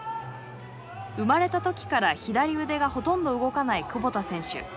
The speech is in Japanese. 生まれた時から左腕がほとんど動かない窪田選手。